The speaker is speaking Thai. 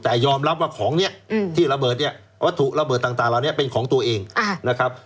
แต่ยอมรับว่าของเนี่ยที่ระเบิดเนี่ยวัตถุระเบิดต่างเหล่านี้เป็นของตัวเองนะครับ